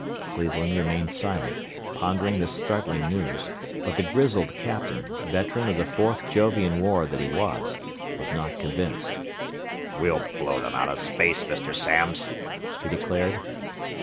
Cleveland remained silent, pondering this startling news, but the grizzled Captain, veteran of the Fourth Jovian War that he was, was not convinced. "We'll blow them out of space, Mr. Samms!" he declared.